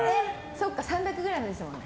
そっか、３００ｇですもんね。